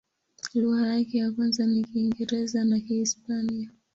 Lugha yake ya kwanza ni Kiingereza na Kihispania.